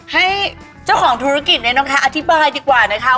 ให้เจ้าของธุรกิจเนี่ยนะคะอธิบายดีกว่านะคะ